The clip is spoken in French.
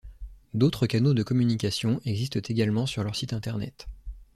D'autres canaux de communication existent également sur leur site internet.